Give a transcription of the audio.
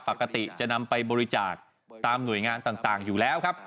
ปกติจะนำไปบริจาคตามหน่วยงานต่างอยู่แล้วครับ